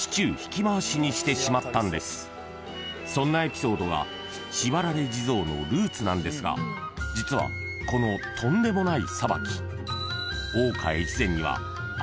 ［そんなエピソードがしばられ地蔵のルーツなんですが実はこのとんでもない裁き］